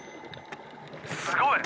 すごい。